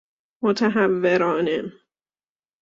متهورانه